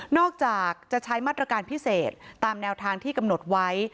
อกจากจะใช้มาตรการพิเศษตามแนวทางที่กำหนดไว้